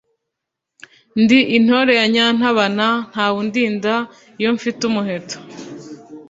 Ndi intore ya Nyantabana, ntawe undinda iyo mfite umuheto